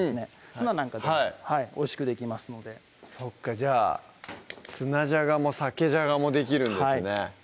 ツナなんかでもおいしくできますのでそっかじゃあツナじゃがもサケじゃがもできるんですね